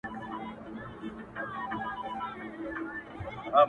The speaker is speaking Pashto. له تا قربان ستا ديدنـونـه هېـر ولاى نــه ســم,